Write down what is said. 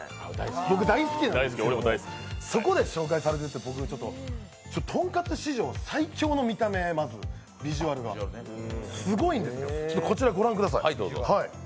僕大好きなんですけど、そこで紹介されてて僕、豚カツ史上最強の見た目。すごいんですよこちらご覧ください。